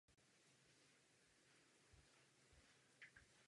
V polovině patnáctého století se oblast stala vazalem Aztécké říše.